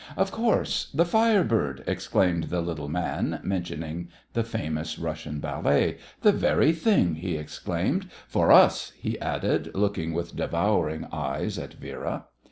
"Of course 'The Fire Bird,'" exclaimed the little man, mentioning the famous Russian ballet. "The very thing!" he exclaimed. "For us," he added, looking with devouring eyes at Vera.